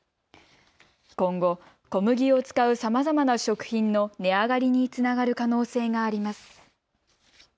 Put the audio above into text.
今後、小麦を使うさまざまな食品の値上がりにつながる可能性があります。